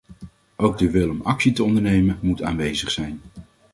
Ook de wil om actie te ondernemen, moet aanwezig zijn.